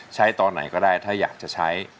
ตอนไหนก็ได้ถ้าอยากจะใช้